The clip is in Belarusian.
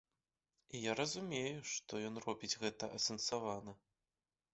І я разумею, што ён робіць гэта асэнсавана.